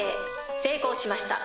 成功しました。